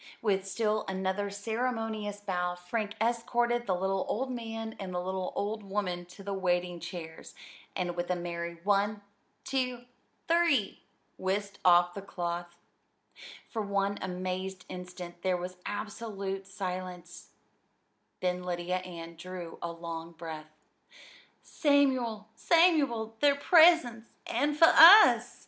With still another ceremonious bow Frank escorted the little old man and the little old woman to the waiting chairs, and with a merry "One, two, three!" whisked off the cloth. For one amazed instant there was absolute silence; then Lydia Ann drew a long breath. "Samuel, Samuel, they're presents an' for us!"